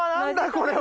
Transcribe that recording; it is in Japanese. これは。